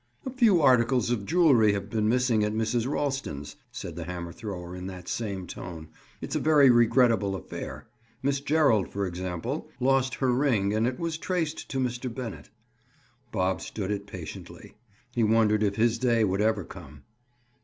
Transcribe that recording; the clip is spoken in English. "A few articles of jewelry have been missing at Mrs. Ralston's," said the hammer thrower in that same tone. "It's a very regrettable affair. Miss Gerald, for example, lost her ring and it was traced to Mr. Bennett." Bob stood it patiently. He wondered if his day would ever come.